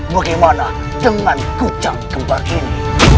bagaimana dengan kucang kembar ini